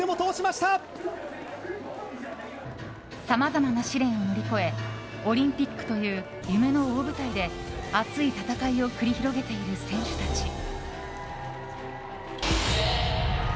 さまざまな試練を乗り越えオリンピックという夢の大舞台で熱い戦いを繰り広げている選手たち。